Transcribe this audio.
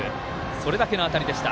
それだけの当たりでした。